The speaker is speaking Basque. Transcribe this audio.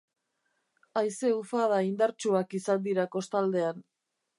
Haize-ufada indartsuak izan dira kostaldean.